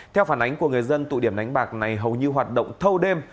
theo phản ánh của người dân tụ điểm đánh bạc này hầu như hoạt động thâu đêm